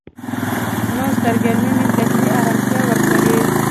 نوې سرګرمي ذهني آرامتیا ورکوي